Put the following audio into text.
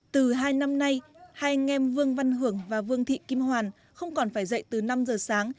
từ hai năm nay hai anh em vương văn hưởng và vương thị kim hoàn không còn phải dậy từ năm giờ sáng